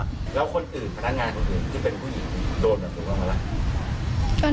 แล้วคนอื่นพนักงานคนอื่นที่เป็นผู้หญิงโดนแบบนี้บอกว่าอะไร